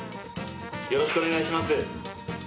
よろしくお願いします。